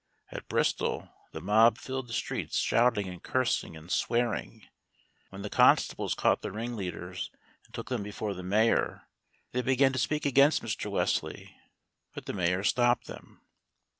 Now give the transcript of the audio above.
At Bristol, the mob filled the streets, shouting, and cursing, and swearing. When the constables caught the ring leaders and took them before the mayor, they began to speak against Mr. Wesley, but the mayor stopped them.